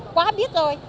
quá biết rồi